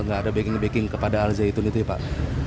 nggak ada backing backing kepada al zaitun itu ya pak